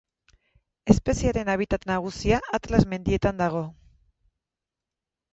Espeziearen habitat nagusia Atlas mendietan dago.